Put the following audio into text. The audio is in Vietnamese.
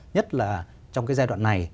nhất là trong giai đoạn này